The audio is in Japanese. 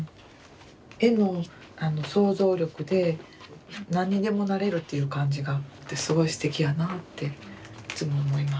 絵の想像力で何にでもなれるっていう感じがすごいすてきやなっていつも思います。